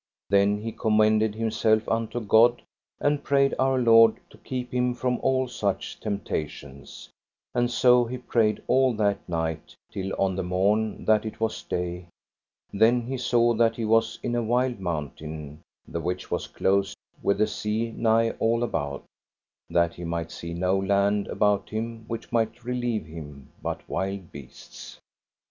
Then he commended himself unto God, and prayed Our Lord to keep him from all such temptations; and so he prayed all that night till on the morn that it was day; then he saw that he was in a wild mountain the which was closed with the sea nigh all about, that he might see no land about him which might relieve him, but wild beasts.